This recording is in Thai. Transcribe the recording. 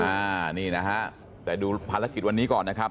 อ่านี่นะฮะแต่ดูภารกิจวันนี้ก่อนนะครับ